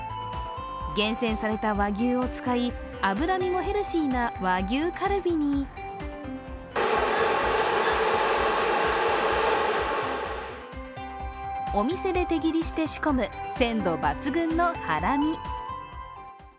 厳選された和牛を使い、脂身もヘルシーな和牛カルビにお店で手切りして仕込む鮮度抜群のハラミ。